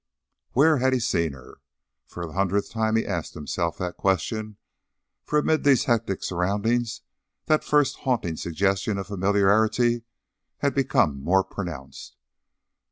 Where had he seen her? For the hundredth time he asked himself that question, for amid these hectic surroundings that first haunting suggestion of familiarity had become more pronounced.